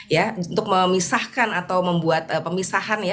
ya untuk memisahkan atau membuat pemisahan ya